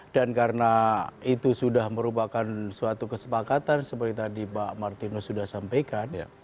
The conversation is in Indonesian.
dan karena itu sudah merupakan suatu kesepakatan seperti tadi pak martinus sudah sampaikan